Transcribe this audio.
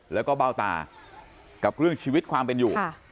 แล้วก็เบ้าตากับเรื่องชีวิตความเป็นอยู่